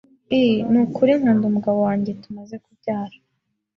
i nukuri nkunda umugabo wanjye tumaze kubyara